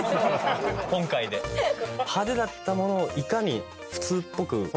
派手だったものをいかに普通っぽく。